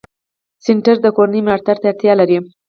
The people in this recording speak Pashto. کورس د کورنۍ ملاتړ ته اړتیا لري.